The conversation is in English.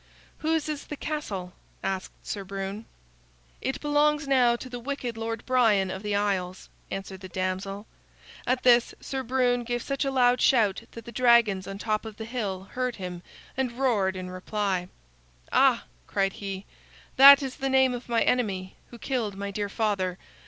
"Whose is the castle?" asked Sir Brune. "It belongs now to the wicked Lord Brian of the Isles," answered the damsel. At this Sir Brune gave such a loud shout that the dragons on top of the hill heard him and roared in reply. "Ah!" cried he, "that is the name of my enemy, who killed my dear father.